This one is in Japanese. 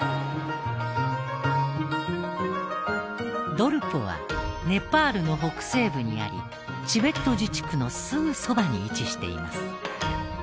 ドルポはネパールの北西部にありチベット自治区のすぐそばに位置しています。